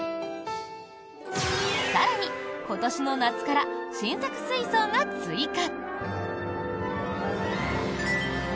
更に、今年の夏から新作水槽が追加。